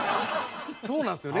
そうなんすよね。